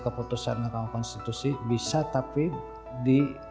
keputusan angkawa konstitusi yang menyebabkan perlindungan varietas tanaman